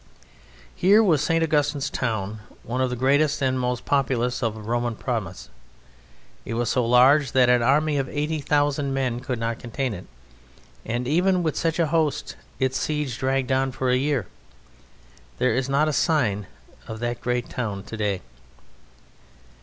Here was St. Augustine's town, one of the greatest and most populous of a Roman province. It was so large that an army of eighty thousand men could not contain it, and even with such a host its siege dragged on for a year. There is not a sign of that great town today.